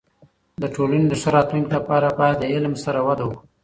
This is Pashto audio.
د ټولنې د ښه راتلونکي لپاره باید د علم سره وده وکړو.